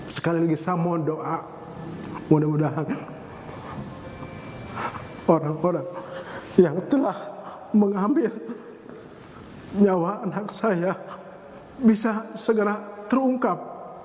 sekali lagi saya mohon doa mudah mudahan orang orang yang telah mengambil nyawa anak saya bisa segera terungkap